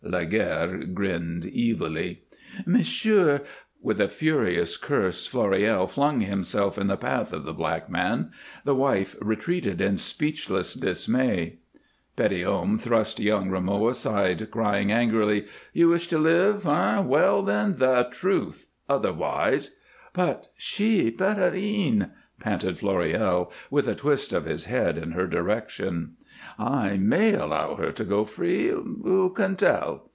Laguerre grinned evilly. "Monsieur !" With a furious curse Floréal flung himself in the path of the black man; the wife retreated in speechless dismay. Petithomme thrust young Rameau aside, crying, angrily: "You wish to live, eh? Well, then, the truth. Otherwise " "But she? Pierrine?" panted Floréal, with a twist of his head in her direction. "I may allow her to go free. Who can tell?"